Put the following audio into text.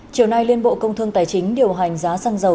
chiều nay liên bộ công thương tài chính điều hành giá xăng dầu